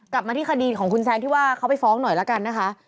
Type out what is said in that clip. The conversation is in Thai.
กลับมาที่คดีของคุณแซนที่ว่าเขาไปฟ้องหน่อยละกันนะคะ